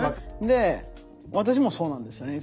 で私もそうなんですよね。